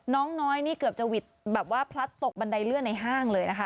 น้องน้อยนี่เกือบจะหวิดแบบว่าพลัดตกบันไดเลื่อนในห้างเลยนะคะ